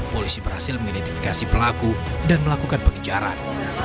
polisi berhasil mengidentifikasi pelaku dan melakukan pengejaran